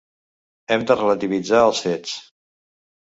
Hem de relativitzar els fets.